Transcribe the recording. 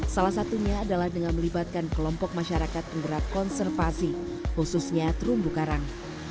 salah satunya adalah dengan melibatkan kelompok masyarakat penggerak konservasi khususnya terumbu karang